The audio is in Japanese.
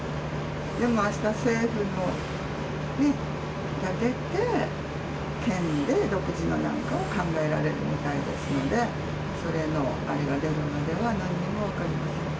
でも、あした政府のが出て、県で独自のなんかを考えられるみたいですので、それのあれが出るまでは、なんにも分かりません。